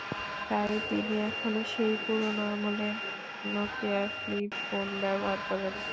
তাই তিনি এখনো সেই পুরোনো আমলের নকিয়া ফ্লিপ ফোন ব্যবহার করেন।